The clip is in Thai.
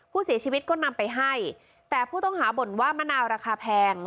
ผู้เสียชีวิตก็นำไปให้แต่ผู้ต้องหาบ่นว่ามะนาวราคาแพง